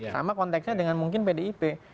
sama konteksnya dengan mungkin pdip